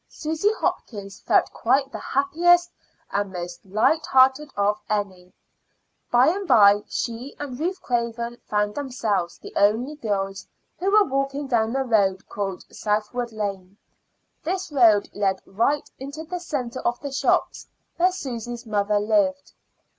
Susy Hopkins felt quite the happiest and most light hearted of any. By and by she and Ruth Craven found themselves the only girls who were walking down the road called Southwood Lane. This road led right into the centre of the shops where Susy's mother lived.